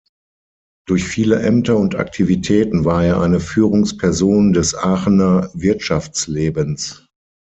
Durch viele Ämter und Aktivitäten war er eine Führungsperson des Aachener Wirtschaftslebens.